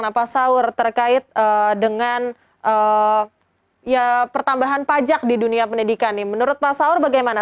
nah pak saur terkait dengan pertambahan pajak di dunia pendidikan menurut pak saur bagaimana